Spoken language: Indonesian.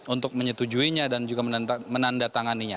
untuk menyetujuinya dan juga menandatanganinya